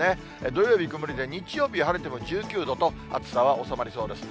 土曜日曇りで、日曜日は晴れても１９度と、暑さは収まりそうです。